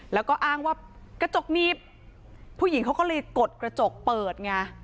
แล้วก็อ้างว่ากระจกหนีบผู้หญิงเขาก็เลยกดกระจกเปิดไง